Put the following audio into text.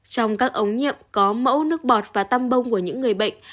trong các ống nhiệm có mẫu nước bọt và tăm bông của những người bệnh